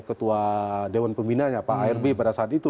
ketua dewan pembinanya pak arb pada saat itu